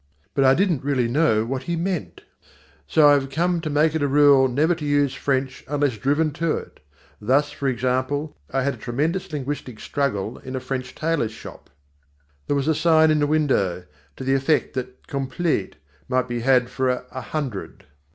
But I didn't really know what he meant. So I have come to make it a rule never to use French unless driven to it. Thus, for example, I had a tremendous linguistic struggle in a French tailors shop. There was a sign in the window to the effect that "completes" might be had "for a hundred."